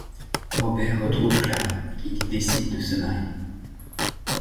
Robert retrouve Clara, ils décident de se marier.